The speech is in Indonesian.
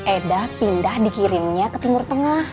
eda pindah dikirimnya ke timur tengah